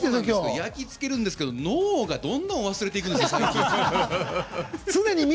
焼きつけるんですけど脳がどんどん忘れていくんです。